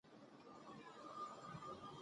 د شاحرچین ولسوالۍ لیرې ده